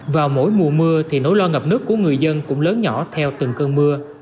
vào mỗi mùa mưa thì nỗi lo ngập nước của người dân cũng lớn nhỏ theo từng cơn mưa